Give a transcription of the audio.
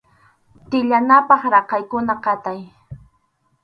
Tiyanapaq raqaykuna qatay.